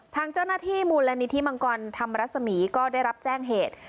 ทางเจ้าหน้าที่มูลนิธิมังกรธรรมรสมีก็ได้รับแจ้งเหตุ